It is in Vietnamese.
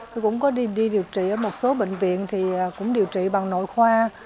tôi cũng có đi điều trị ở một số bệnh viện thì cũng điều trị bằng nội khoa